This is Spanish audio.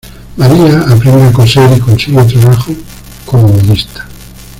María aprende a coser y consigue trabajo como modista.